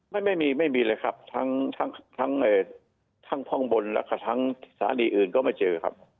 ไม่มีไม่มีเลยครับทั้งข้างบนแล้วก็ทั้งสถานีอื่นก็ไม่เจอครับ